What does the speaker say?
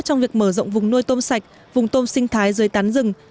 trong việc mở rộng vùng nuôi tôm sạch vùng tôm sinh thái dưới tán rừng